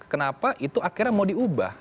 kenapa itu akhirnya mau diubah